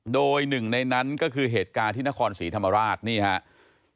โดยหนึ่งในนั้นก็คือเหตุการณ์ที่นครศรีธรรมราชนี่ครับ